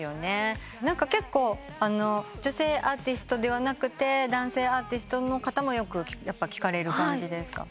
結構女性アーティストではなくて男性アーティストの方もよく聴かれる感じですか？